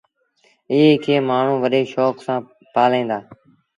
ايئي کي مآڻهوٚݩ وڏي شوڪ سآݩ پآليٚن دآ۔